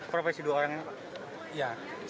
profesi dua orangnya apa